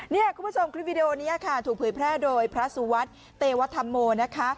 เนี่ยคุณผู้ชมคลิปวิดีโอนี้ค่ะถูกเผยแพร่โดยพระสุวัสดิ์เตวธรรมโมนะคะ